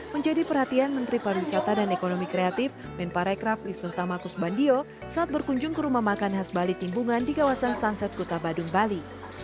menjadi perhatian menteri pariwisata dan ekonomi kreatif menparekraf isnu tamakusbandio saat berkunjung ke rumah makan khas bali timbungan di kawasan sunset kota badung bali